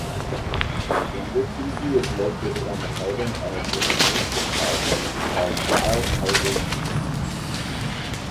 Ganderkesee is located on the northern edge of a nature park called "Wildeshauser Geest".